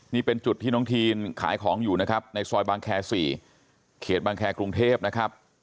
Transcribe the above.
นี่เป็นจุดที่น้องทีนขายของอยู่นะครับในซอยบางแคร์๔เขตบางแครกรุงเทพนะครับ